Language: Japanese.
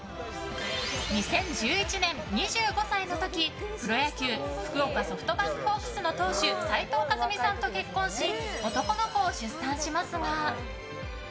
２０１１年、２５歳の時プロ野球福岡ソフトバンクホークスの投手斉藤和巳さんと結婚し男の子を出産しますが。